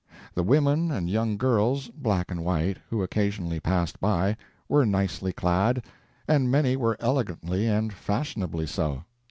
The women and young girls, black and white, who occasionally passed by, were nicely clad, and many were elegantly and fashionably so.